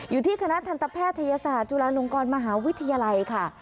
อยู่ที่คณะทันตแพทยศาสตร์จุฬาลงกรมหาวิทยาลัยค่ะ